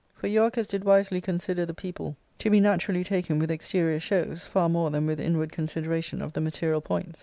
For Euarchus did wisely consider the people to be naturally taken with exterior shows, far more than with inward con sideration of the material points.